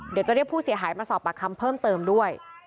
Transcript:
เดี๋ยวจะเรียกผู้เสียหายมาสอบปากคำเพิ่มเติมด้วย